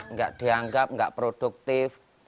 nggak dianggap nggak produktif